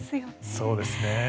そうですね。